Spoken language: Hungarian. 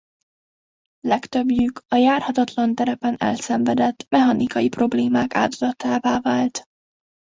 Legtöbbjük a járhatatlan terepen elszenvedett mechanikai problémák áldozatává vált.